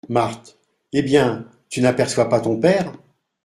Marthe. — Eh ! bien, tu n’aperçois pas ton père ?